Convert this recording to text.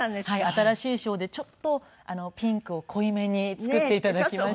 新しい衣装でちょっとピンクを濃いめに作って頂きました。